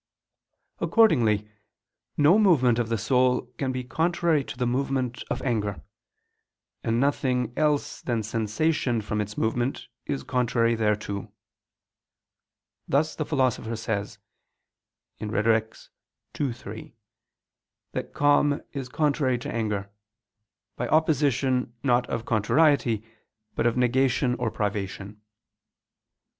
Accordingly no movement of the soul can be contrary to the movement of anger, and nothing else than cessation from its movement is contrary thereto; thus the Philosopher says (Rhet. ii, 3) that "calm is contrary to anger," by opposition not of contrariety but of negation or privation.